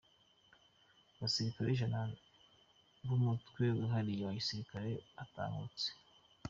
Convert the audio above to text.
Abasirikare Ijana b’umutwe wihariye wa gisirikare batahutse